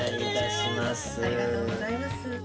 ありがとうございます